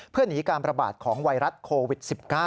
เพื่อหนีการประบาดของไวรัสโควิด๑๙